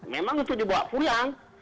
memang itu dibawa pulang